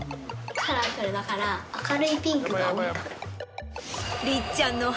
カラフルだから明るいピンクが多いかも。